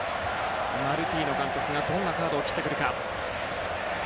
マルティーノ監督がどんなカードを切ってくるか。